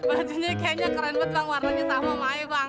bajunya kayaknya keren banget bang warnanya sama sama aja bang